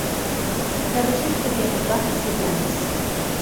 La región es de tierras bajas y planas.